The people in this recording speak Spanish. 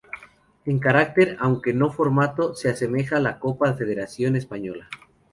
En carácter, aunque no en formato, se asemeja a la Copa Federación española.